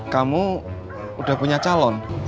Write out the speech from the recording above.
kamu udah punya calon